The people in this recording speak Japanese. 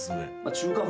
中華風！？